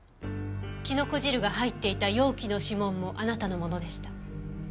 キノコ汁が入っていた容器の指紋もあなたのものでした。